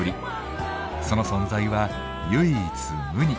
その存在は唯一無二。